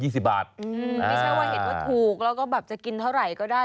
ไม่ใช่ว่าเห็นว่าถูกแล้วก็แบบจะกินเท่าไหร่ก็ได้